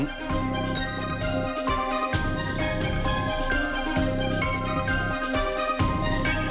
สวัสดีครับ